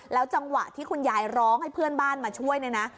จังหวะที่คุณยายร้องให้เพื่อนบ้านมาช่วยเนี่ยนะ